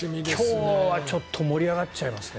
今日は盛り上がっちゃいますね。